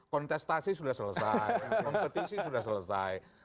kontestasi sudah selesai kompetisi sudah selesai